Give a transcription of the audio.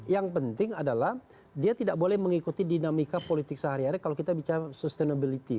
yang penting adalah dia tidak boleh mengikuti dinamika politik sehari hari kalau kita bicara sustainability